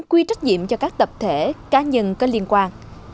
quy trách nhiệm cho các tập thể cá nhân có liên quan